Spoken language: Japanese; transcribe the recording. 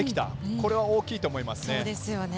これは大きいと思います。